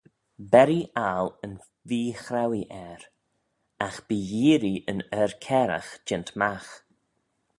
Berree aggle y vee-chrauee er: agh bee yeearree yn er-cairagh jeant magh.